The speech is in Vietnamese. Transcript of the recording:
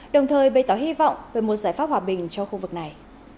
đồng thời bày tỏ hy vọng về một giải pháp hòa bình cho khu vực này